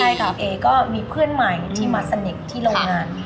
ใช่ค่ะเอก็มีเพื่อนใหม่ที่มาสนิทที่โรงงาน